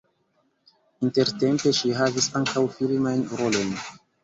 Intertempe ŝi havis ankaŭ filmajn rolojn.